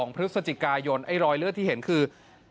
พฤศจิกายนไอ้รอยเลือดที่เห็นคือ